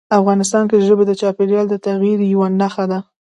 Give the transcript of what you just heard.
افغانستان کې ژبې د چاپېریال د تغیر یوه نښه ده.